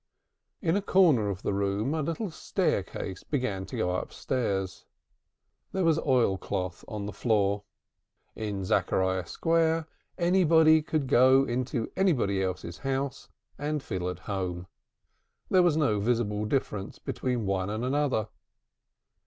In a corner of the room a little staircase began to go upstairs. There was oilcloth on the floor. In Zachariah Square anybody could go into anybody else's house and feel at home. There was no visible difference between one and another.